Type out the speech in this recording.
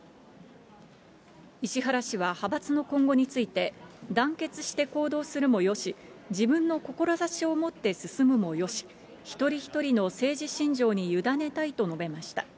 石原氏は派閥の今後について、団結して行動するもよし、自分の志を持って進むもよし、一人一人の政治信条に委ねたいと述べました。